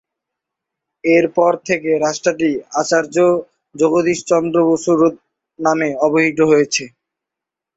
এর পর থেকে রাস্তাটি আচার্য জগদীশচন্দ্র বসু রোড নামে অভিহিত হয়েছে।